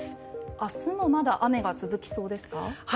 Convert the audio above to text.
明日もまだ雨が続きそうですか？